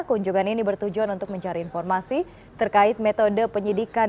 kunjungan ini bertujuan untuk mencari informasi terkait metode penyidikan